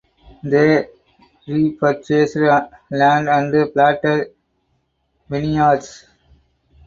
They repurchased land and plated vineyards.